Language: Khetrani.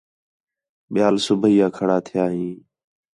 ٻِیال صُبیح آ کھڑا تِھیا ہیں